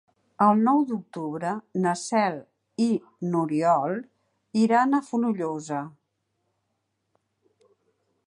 El nou d'octubre na Cel i n'Oriol iran a Fonollosa.